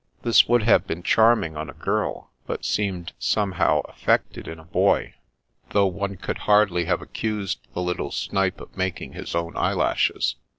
This would have been charming on a girl, but seemed some how aflFected in a boy, though one could hardly have accused the little snipe of making his own eye lashes.